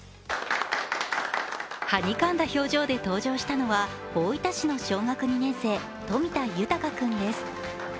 なみかんだ表情で登場したのは大分市の小学２年生、冨田豊君です。